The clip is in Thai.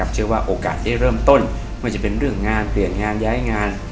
เชื่อว่าโอกาสได้เริ่มต้นไม่จะเป็นเรื่องงานเปลี่ยนงานย้ายงาน